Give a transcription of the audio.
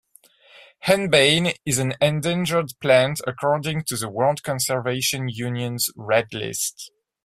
Henbane is an endangered plant according to the World Conservation Union's Red List.